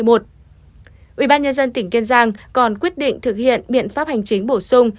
ubnd tỉnh kiên giang còn quyết định thực hiện biện pháp hành chính bổ sung